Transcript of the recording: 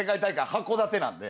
函館なんで。